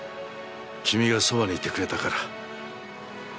君がそばにいてくれたから。